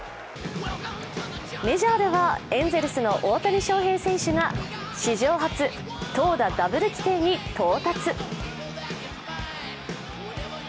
メジャーではエンゼルスの大谷翔平選手が史上初投打ダブル規定に到達。